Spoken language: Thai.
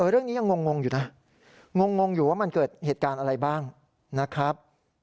เรื่องนี้ยังงงอยู่นะงงอยู่ว่ามันเกิดเหตุการณ์อะไรบ้างนะครับ